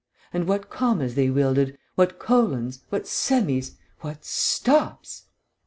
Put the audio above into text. And what commas they wielded, what colons, what semis, what stops!